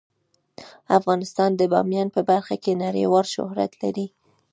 افغانستان د بامیان په برخه کې نړیوال شهرت لري.